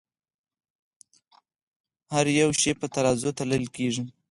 هر يو شے پۀ ترازو تللے کيږې